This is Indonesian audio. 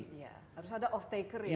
iya harus ada off taker ya